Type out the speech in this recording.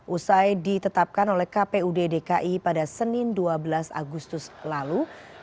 usai ditetapkan oleh kpud dki pada senin dua belas agustus lalu